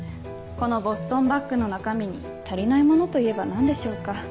このボストンバッグの中身に足りないものといえば何でしょうか？